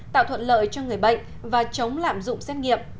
tạo thuận lợi cho người bệnh và chống lạm dụng xét nghiệm